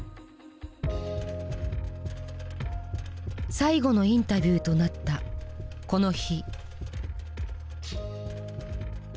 最後のインタビューとなったこの日。